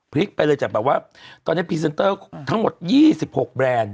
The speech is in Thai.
ไปเลยจากแบบว่าตอนนี้พรีเซนเตอร์ทั้งหมด๒๖แบรนด์